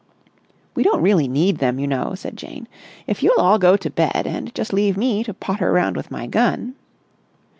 "We don't really need them, you know," said Jane. "If you'll all go to bed and just leave me to potter round with my gun...."